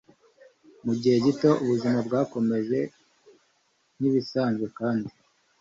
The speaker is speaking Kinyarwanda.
mu gihe gito ubuzima bwakomeje nkibisanzwe, kandi